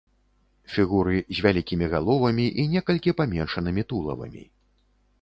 Фігуры з вялікімі галовамі і некалькі паменшанымі тулавамі.